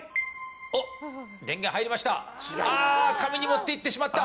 電源が入りましたが髪に持っていってしまった。